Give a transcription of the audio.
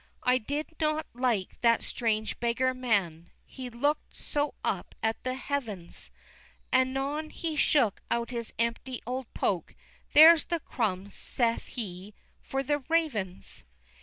I did not like that strange beggar man, He look'd so up at the heavens Anon he shook out his empty old poke; "There's the crumbs," saith he, "for the ravens!"